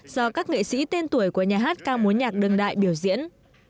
do các nghệ sĩ tên tuổi của nhà hát ca múa nhạc đơn đại biểu diễn